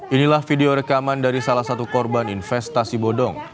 inilah video rekaman dari salah satu korban investasi bodong